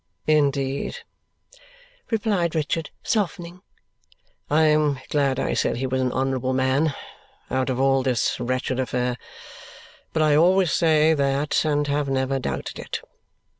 "Indeed?" replied Richard, softening. "I am glad I said he was an honourable man, out of all this wretched affair. But I always say that and have never doubted it.